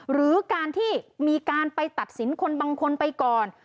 หรือการที่มีการไปตัดสินคนบางคนไปก่อน